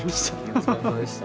お疲れさまでした。